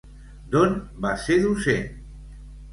D'on va ser docent?